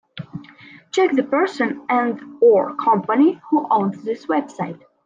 Check the person and/or company who owns this website.